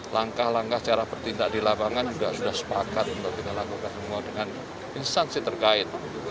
langkah langkah cara bertindak di lapangan juga sudah sepakat untuk kita lakukan semua dengan instansi terkait